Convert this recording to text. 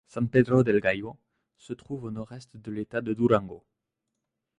San Pedro del Gallo se trouve au nord-est de l'état de Durango.